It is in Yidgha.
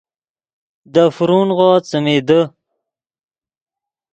دے فرونغو څیمی دے